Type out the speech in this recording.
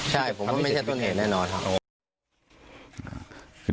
ใช่ผมว่าไม่ใช่ต้นเหตุแน่นอนครับ